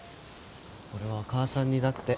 俺は母さん似だって。